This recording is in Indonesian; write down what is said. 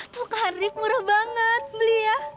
tuh kan rik murah banget beli ya